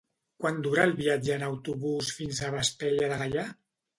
Quant dura el viatge en autobús fins a Vespella de Gaià?